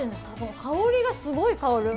香りがすごい香る。